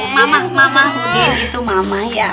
mama udin itu mama ya